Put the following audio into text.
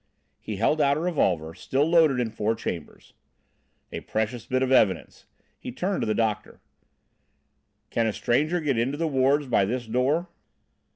He held out a revolver, still loaded in four chambers. "A precious bit of evidence!" He turned to the doctor: "Can a stranger get into the wards by this door?"